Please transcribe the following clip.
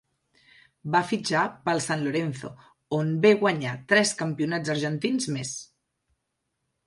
Va fitxar pel San Lorenzo, on ve guanyar tres campionats argentins més.